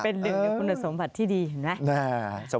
เป็นหนึ่งในคุณสมบัติที่ดีเห็นไหม